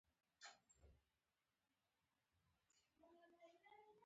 بې وزلۍ ادعا سخت ده.